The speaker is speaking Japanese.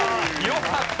よかった。